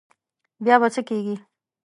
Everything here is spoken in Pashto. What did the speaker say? بیا به څه کېږي.